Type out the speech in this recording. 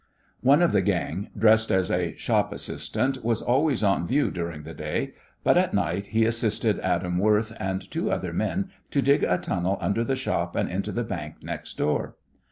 One of the gang, dressed as a shop assistant, was always on view during the day, but at night he assisted Adam Worth and two other men to dig a tunnel under the shop and into the bank next door.